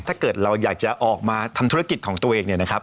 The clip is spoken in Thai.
ถ้าเกิดเราอยากจะออกมาทำธุรกิจของตัวเอง